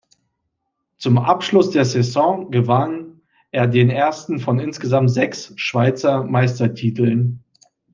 Zum Abschluss der Saison gewann er den ersten von insgesamt sechs Schweizer Meistertiteln.